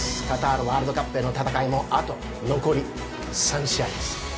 カタールワールドカップへの戦いも、あと残り３試合です。